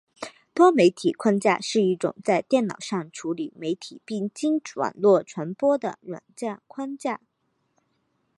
多媒体框架是一种在电脑上处理媒体并经网络传播的软件框架。